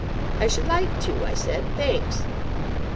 "I should like to," I said. "Thanks."